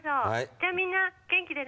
じゃみんな元気でね。